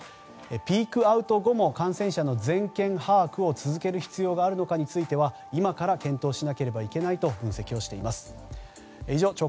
ピークアウト後も感染者の全件把握を続ける必要があるのかについては今から検討しなければいけないと分析をしています。